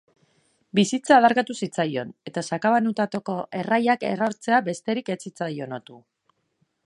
Bizitza adarkatu zitzaion, eta sakabanatutako erraiak errotzea bertzerik ez zitzaion otu.